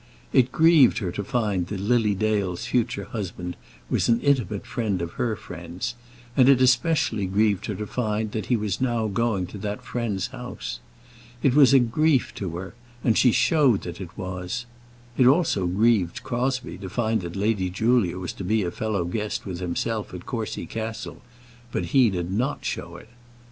It grieved her to find that Lily Dale's future husband was an intimate friend of her friend's, and it especially grieved her to find that he was now going to that friend's house. It was a grief to her, and she showed that it was. It also grieved Crosbie to find that Lady Julia was to be a fellow guest with himself at Courcy Castle; but he did not show it.